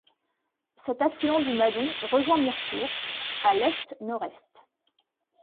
Cet affluent du Madon rejoint Mirecourt, à l'est-nord-est.